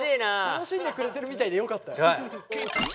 楽しんでくれてるみたいでよかった。